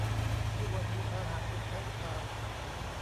เชื่อว่ามีพาหะเป็นค้างคาว